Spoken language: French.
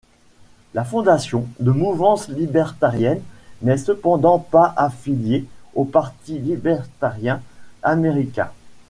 La fondation, de mouvance libertarienne n'est cependant pas affiliée au parti libertarien américain.